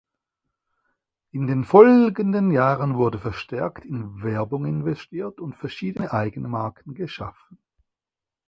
In den folgenden Jahren wurde verstärkt in Werbung investiert und verschiedene Eigenmarken geschaffen.